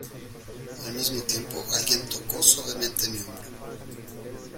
al mismo tiempo alguien tocó suavemente mi hombro.